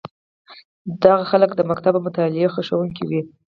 دا خلک د مکتب او مطالعې خوښوونکي وي.